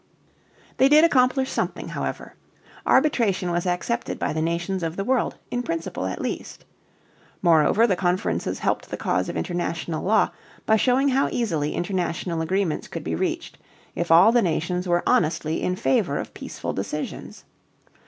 They did accomplish something, however. Arbitration was accepted by the nations of the world, in principle at least. Moreover, the conferences helped the cause of international law by showing how easily international agreements could be reached if all the nations were honestly in favor of peaceful decisions.